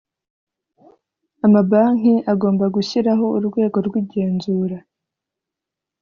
amabanki agomba gushyiraho urwego rw igenzura